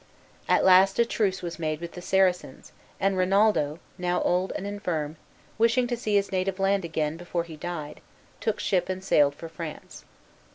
At last a truce was made with the Saracens, and Rinaldo, now old and infirm, wishing to see his native land again before he died, took ship and sailed for France.